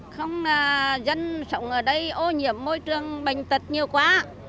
không dân sống ở đây ô nhiễm môi trường bệnh tật nhiều quá